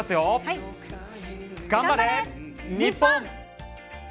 頑張れ、日本！